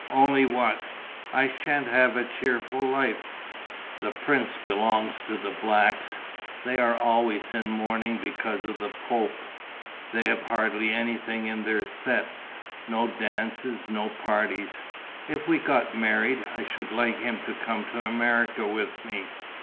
"Only what?" "I sha'n't have a cheerful life. The prince belongs to the Blacks. They are always in mourning because of the Pope. They have hardly anything in their set: no dances, no parties. If we got married, I should like him to come to America with me.